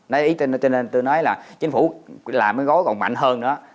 nói ý tôi nên tôi nói là chính phủ làm cái gói còn mạnh hơn nữa